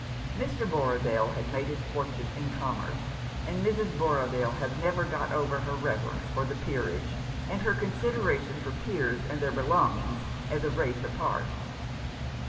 Mr. Borrodaile had made his fortune in com merce, and Mrs. Borrodaile had never got over 2IG Rough Justice. her reverence for the peerage, and her considera tion for peers and their belongings as a race apart.